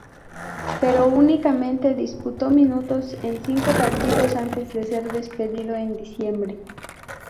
Pero únicamente disputó minutos en cinco partidos antes de ser despedido en diciembre.